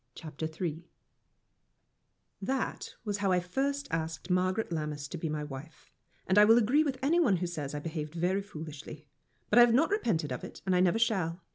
CHAPTER III That was how I first asked Margaret Lammas to be my wife, and I will agree with any one who says I behaved very foolishly. But I have not repented of it, and I never shall.